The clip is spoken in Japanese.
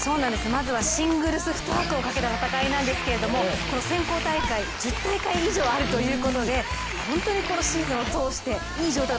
まずはシングルス２枠をかけた戦いなんですけど、この選考大会１０大会以上あるということでプレッシャーもかかってきますよね。